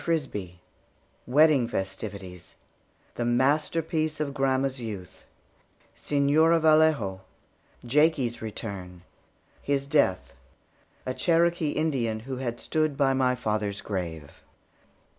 FRISBIE WEDDING FESTIVITIES THE MASTERPIECE OF GRANDMA'S YOUTH SEÑORA VALLEJO JAKIE'S RETURN HIS DEATH A CHEROKEE INDIAN WHO HAD STOOD BY MY FATHER'S GRAVE.